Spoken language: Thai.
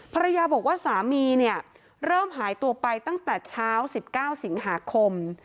ภรรยาบอกว่าสามีเนี่ยเริ่มหายตัวไปตั้งแต่เช้า๑๙สิงหาคม